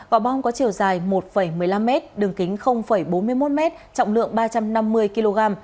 quả bom có chiều dài một một mươi năm m đường kính bốn mươi một m trọng lượng ba trăm năm mươi kg